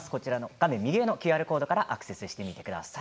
画面右上のＱＲコードからアクセスしてみてください。